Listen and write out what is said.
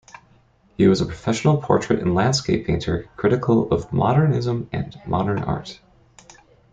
He was a professional portrait and landscape painter, critical of modernism and modern art.